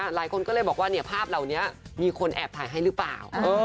หลายคนก็เลยบอกว่าภาพเหล่านี้มีคนแอบถ่ายให้หรือเปล่า